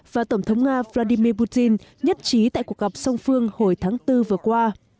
và tổng thống nga vladimir putin nhất trí tại cuộc gặp song phương hồi tháng bốn vừa qua